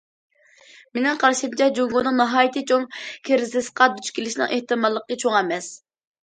مېنىڭ قارىشىمچە، جۇڭگونىڭ ناھايىتى چوڭ كىرىزىسقا دۇچ كېلىشىنىڭ ئېھتىماللىقى چوڭ ئەمەس.